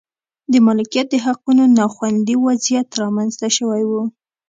د مالکیت د حقونو نا خوندي وضعیت رامنځته شوی و.